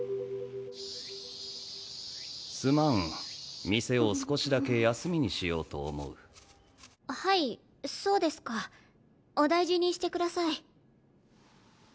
すまん店を少しだけ休みにしようと思うはいそうですかお大事にしてください